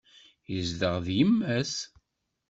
Yezdeɣ d yemma-s.